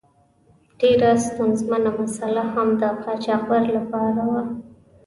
ډیره ستونزمنه مساله هم د قاچاقبر له پاره وه.